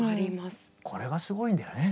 これがすごいんだよね。